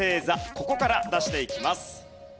ここから出していきます。